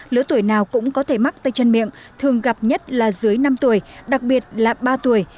lứa tuổi nào cũng có thể mắc tay chân miệng thường gặp nhất là dưới năm tuổi đặc biệt là ba tuổi